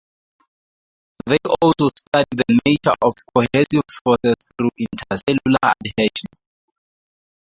They also study the nature of cohesive forces through intercellular adhesion.